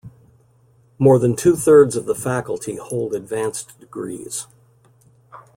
More than two-thirds of the faculty hold advanced degrees.